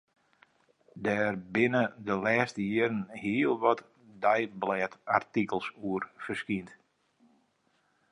Dêr binne de lêste jierren hiel wat deiblêdartikels oer ferskynd.